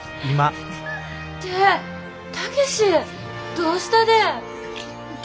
どうしたでえ？